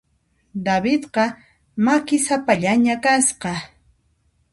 Davidqa makisapallaña kasqa.